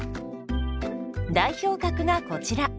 代表格がこちら。